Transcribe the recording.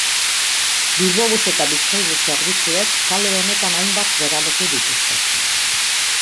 Bilbobus eta Bizkaibus zerbitzuek kale honetan hainbat geraleku dituzte.